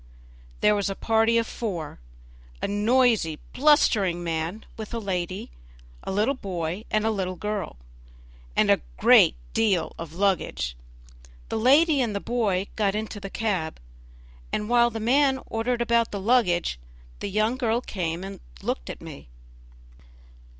There was a party of four; a noisy, blustering man with a lady, a little boy and a young girl, and a great deal of luggage. The lady and the boy got into the cab, and while the man ordered about the luggage the young girl came and looked at me.